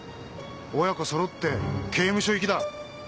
親子揃って刑務所行きだ！